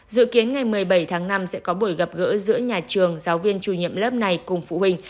dự kiến ngày một mươi bảy tháng năm sẽ có buổi gặp gỡ giữa nhà trường giáo viên chủ nhiệm lớp này cùng phụ huynh